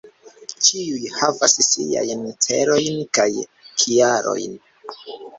Ĉiuj havas siajn celojn, kaj kialojn.